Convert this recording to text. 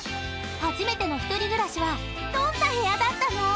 ［初めての１人暮らしはどんな部屋だったの？］